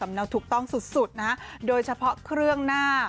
สำนักถูกต้องสุดนะโดยเฉพาะเครื่องหน้า